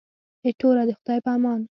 ایټوره د خدای په امان.